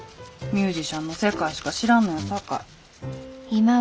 ミュージシャンの世界しか知らんのやさかい。